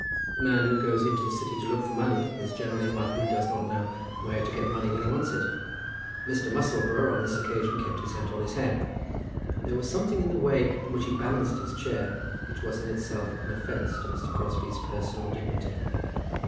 The man who goes into the City to look for money is generally one who does not know where to get money when he wants it. Mr. Musselboro on this occasion kept his hat on his head, and there was something in the way in which he balanced his chair which was in itself an offence to Mr. Crosbie's personal dignity.